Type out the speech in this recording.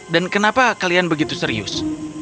dan kenapa kalian begitu serius